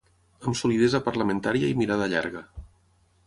Amb solidesa parlamentària i mirada llarga.